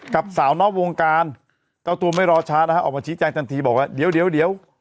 กับสาวนอกวงการเจ้าตัวไม่รอช้านะฮะออกมาชี้แจงทันทีบอกว่าเดี๋ยวเดี๋ยว